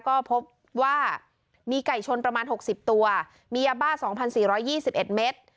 ก็พบว่ามีไก่ชนประมาณหกสิบตัวมียาบ้าสองพันสี่ร้อยยี่สิบเอ็ดเมตร